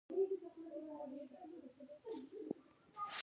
یمن او سوریه به ارام شي.